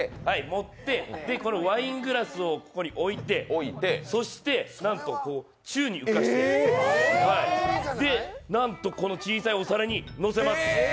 持って、ワイングラスをここに置いてそしてなんと、宙に浮かして、なんと、この小さいお皿にのせます